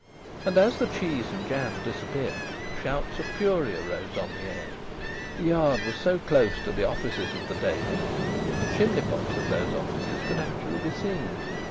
And as the cheese and jam disappeared, shouts of fury arose on the air. The yard was so close to the offices of the Daily that the chimneypots of those offices could actually be seen.